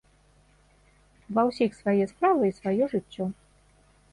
Ва ўсіх свае справы і сваё жыццё.